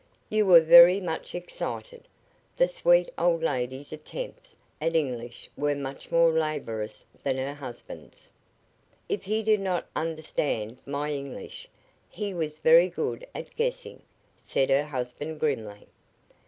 You were very much excited." The sweet old lady's attempts at English were much more laborious than her husband's. "If he did not understand my English, he was very good at guessing," said her husband, grimly.